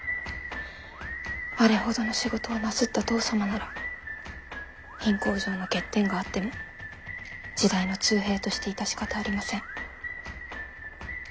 あれほどの仕事をなすった父さまなら品行上の欠点があっても時代の通弊として致し方ありません。